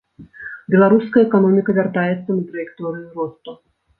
Беларуская эканоміка вяртаецца на траекторыю росту.